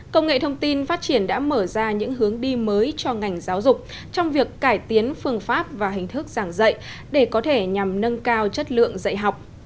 công nghệ thông tin phát triển đã mở ra những hướng đi mới cho ngành giáo dục trong việc cải tiến phương pháp và hình thức giảng dạy để có thể nhằm nâng cao chất lượng dạy học